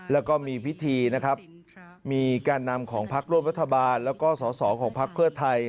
แล้วก็มีพิธีนะครับมีการนำของพักร่วมรัฐบาลแล้วก็สอสอของพักเพื่อไทย